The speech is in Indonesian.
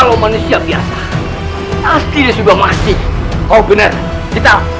kalau manusia biasa pasti sudah masih mau bener kita